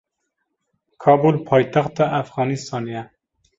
Kabûl paytexta Efxanistanê ye.